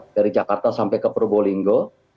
dari jakarta sampai ke probolinggo